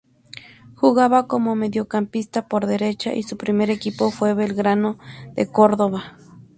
Jugaba como mediocampista por derecha y su primer equipo fue Belgrano de Córdoba.